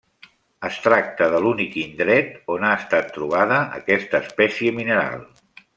Es tracta de l'únic indret on ha estat trobada aquesta espècie mineral.